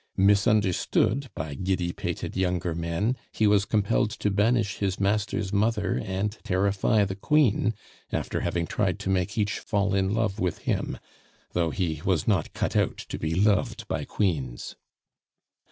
Misunderstood by giddy pated younger men, he was compelled to banish his master's mother and terrify the Queen, after having tried to make each fall in love with him, though he was not cut out to be loved by queens.